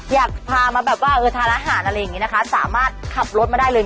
อยากพามาแบบว่าเออทานอาหารอะไรอย่างนี้นะคะสามารถขับรถมาได้เลย